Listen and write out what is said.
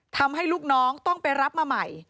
ทำให้ลูกน้องต้องไปรับมาใหม่